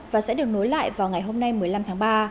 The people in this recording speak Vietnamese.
và sẽ được nối lại vào ngày hôm nay một mươi năm tháng ba